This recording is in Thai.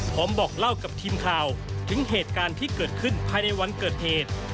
บอกเล่ากับทีมข่าวถึงเหตุการณ์ที่เกิดขึ้นภายในวันเกิดเหตุ